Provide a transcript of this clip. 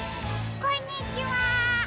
こんにちは。